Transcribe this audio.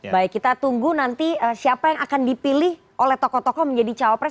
baik kita tunggu nanti siapa yang akan dipilih oleh tokoh tokoh menjadi cawapres